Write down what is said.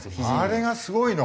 あれがすごいの？